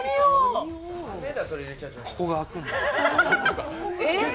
ここが開くんです。